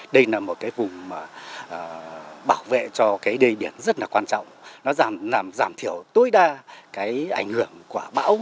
đây là một cái vùng bảo vệ cho cái đầy biển rất là quan trọng nó giảm thiểu tối đa cái ảnh hưởng của bão lũ quả gió biển